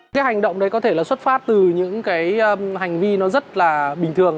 cái hành động đấy có thể là xuất phát từ những cái hành vi nó rất là bình thường